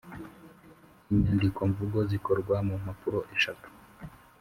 Inyandikomvugo zikorwa mu mpapuro eshatu